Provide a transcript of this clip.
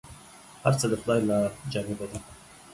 هر څه د خداى له جانبه دي ،